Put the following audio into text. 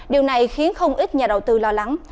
điều này khiến không ít nhà đầu tư lo lắng